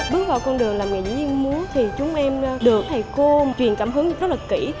bước vào con đường làm nghệ diễn múa thì chúng em được thầy cô truyền cảm hứng rất là kỹ